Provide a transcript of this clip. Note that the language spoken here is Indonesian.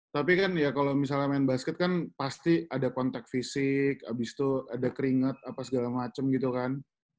tapi kan ya kalau misalnya main basket kan pasti ada kontak fisik habis itu ada keringet apa segala macem gitu kan